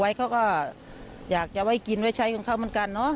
เขาก็อยากจะไว้กินไว้ใช้ของเขาเหมือนกันเนอะ